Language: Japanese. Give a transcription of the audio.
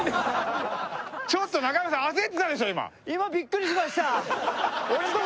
ちょっと中山さん焦ってたでしょ今。